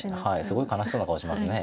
すごい悲しそうな顔しますね